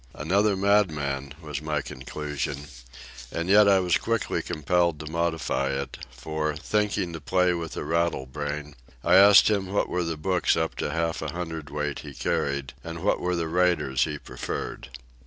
Another madman, was my conclusion; and yet I was quickly compelled to modify it, for, thinking to play with a rattle brain, I asked him what were the books up to half a hundredweight he carried, and what were the writers he preferred.